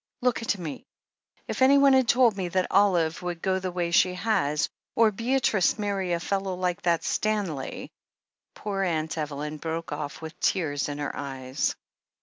Look at me I If anyone had told me that Olive would go the way she has — or Beatrice marry a fellow like that Stanley " Poor Aunt Evelyn broke off with tears in her eyes.